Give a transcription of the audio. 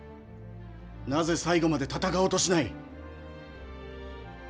なぜ最後まで戦おうとしない！